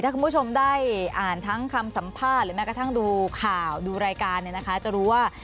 ถ้าคุณผู้ชมได้อ่านทั้งคำสัมภาษณ์หรือแม้กระทั่งดูข่าวดูรายการเนี่ยนะคะจะรู้ว่า